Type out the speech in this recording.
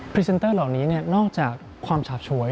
รีเซนเตอร์เหล่านี้นอกจากความฉาบฉวย